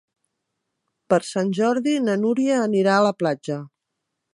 Per Sant Jordi na Núria anirà a la platja.